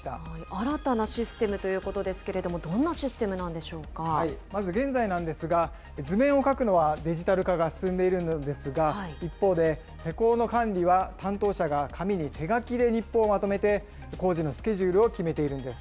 新たなシステムということなんですけれども、どんなシステムまず現在なんですが、図面を書くのはデジタル化が進んでいるのですが、一方で、施工の管理は担当者が紙に手書きで日報をまとめて工事のスケジュールを決めているんです。